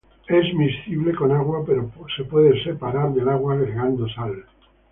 Es miscible con agua, pero puede ser separado del agua agregando sal.